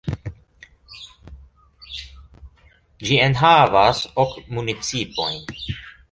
Ĝi enhavas ok municipojn.